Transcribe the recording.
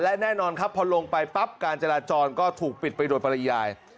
และแน่นอนครับพอลงไปปั๊บการจราจรก็ถูกปิดไปโดยปริยาย